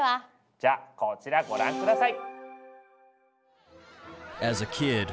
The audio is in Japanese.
じゃこちらご覧下さい！